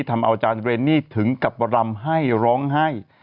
ทำอาจารย์เรนนี่ถึงกับรำให้ร้องไห้